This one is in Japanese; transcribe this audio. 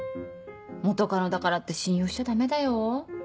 元カノだからって信用しちゃダメだよ